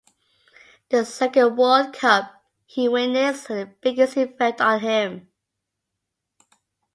The second World Cup he witnessed had the biggest effect on him.